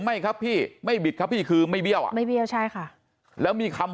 ไม่ครับพี่ไม่บิดครับพี่คือไม่เบี้ยวอ่ะไม่เบี้ยวใช่ค่ะแล้วมีคำ